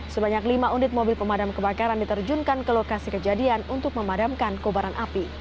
sebanyak lima unit mobil pemadam kebakaran diterjunkan ke lokasi kejadian untuk memadamkan kobaran api